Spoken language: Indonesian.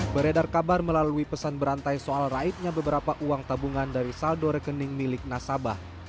beredar kabar melalui pesan berantai soal raibnya beberapa uang tabungan dari saldo rekening milik nasabah